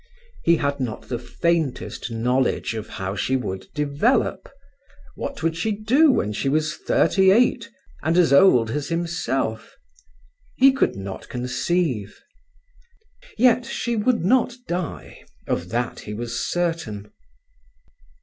He had not the faintest knowledge of how she would develop. What would she do when she was thirty eight, and as old as himself? He could not conceive. Yet she would not die, of that he was certain.